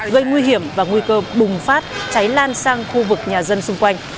gây nguy hiểm và nguy cơ bùng phát cháy lan sang khu vực nhà dân xung quanh